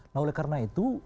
nah oleh karena itu